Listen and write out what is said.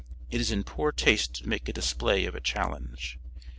It is in poor taste to make a display of a challenge.